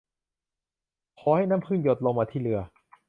ขอให้น้ำผึ้งหยดลงมาที่เรือ